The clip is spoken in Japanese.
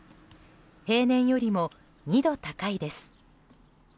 平年よりも２度高いです。